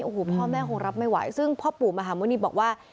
โอ้โหพ่อแม่คงรับไม่ไหวซึ่งพ่อปู่มหาหมุณีบอกว่า